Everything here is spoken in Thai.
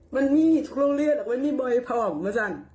วันนี้ทุกโรงเรียนหรอกวันนี้มีเบาของคุณสั้น